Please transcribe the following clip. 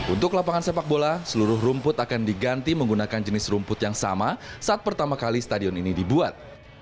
untuk lapangan sepak bola seluruh rumput akan diganti menggunakan jenis rumput yang sama saat pertama kali stadion ini dibuat